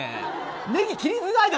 ネギ切りづらいだろ。